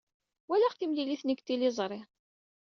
Walaɣ timlilit-nni deg tliẓri.